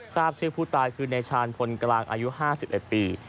ทราบชื่อผู้ตายคือนายชาญพลกลางอายุ๕๑ปี